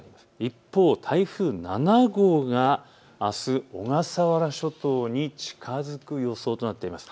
一方、台風７号があす、小笠原諸島に近づく予想となっています。